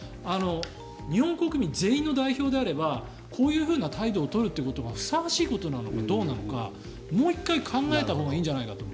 日本国民全員の代表であればこういう態度を取ることがふさわしいことなのかどうなのかもう１回考えたほうがいいんじゃないかと。